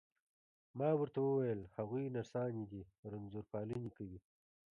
ما ورته وویل: هغوی نرسانې دي، رنځور پالني کوي.